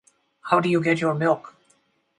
How do you get your milk?